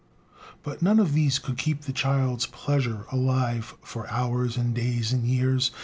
But none of these could keep the child's "pleasure" alive for hours and days and years.